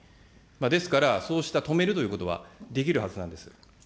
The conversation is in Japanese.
ですから、そうした止めるということはできるはずなんです。